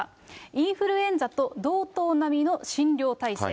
インフルエンザと同等並みの診療体制。